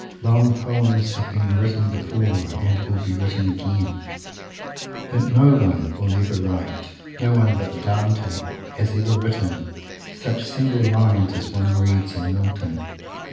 Long poems have been written before and will be written again, but no one will ever write no one but Dante has ever written such single lines as one reads in Milton.